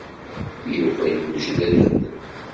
Yuba iwjed ad ixdem.